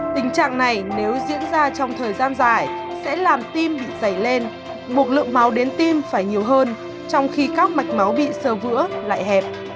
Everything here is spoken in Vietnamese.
tình trạng này nếu diễn ra trong thời gian dài sẽ làm tim bị dày lên buộc lượng máu đến tim phải nhiều hơn trong khi các mạch máu bị sơ vữa lại hẹp